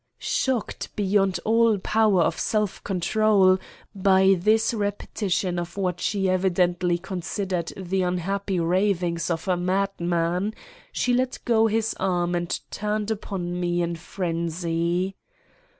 Shocked beyond all power of self control by this repetition of what she evidently considered the unhappy ravings of a madman, she let go his arm and turned upon me in frenzy.